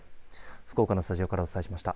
福岡のスタジオからお伝えしました。